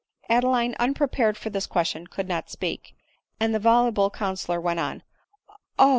Adeline un prepared for this question, could not speak ; and the vol uble counsellor went on —" Oh